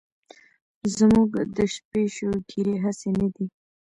زمونږ د شپې شوګيرې هسې نه دي